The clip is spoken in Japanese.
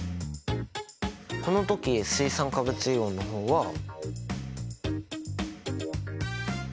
この時水酸化物イオンの方は。